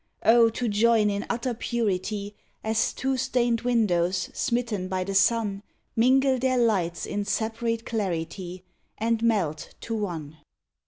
Oh, to join in utter purity, As two stain'd windows, smitten by the sun, Mingle their lights in separate clarity And melt to one!